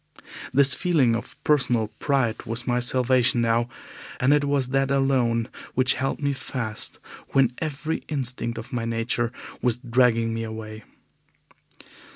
This feeling of personal pride was my salvation now, and it was that alone which held me fast when every instinct of my nature was dragging me away.